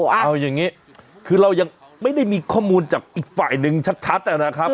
เอาอย่างนี้คือเรายังไม่ได้มีข้อมูลจากอีกฝ่ายหนึ่งชัดนะครับ